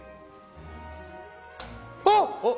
あっ！